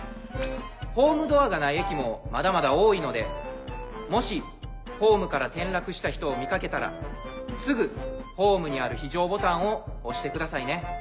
ホームドアがない駅もまだまだ多いのでもしホームから転落した人を見掛けたらすぐホームにある非常ボタンを押してくださいね。